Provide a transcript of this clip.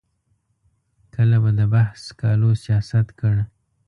کله به د بحث سکالو سیاست کړ.